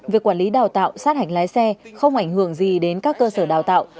việc quản lý đào tạo sát hạch lái xe không ảnh hưởng gì đến các cơ sở đào tạo